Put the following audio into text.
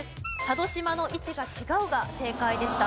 佐渡島の位置が違うが正解でした。